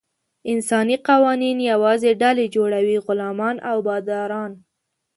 انساني قوانین یوازې ډلې جوړوي: غلامان او باداران.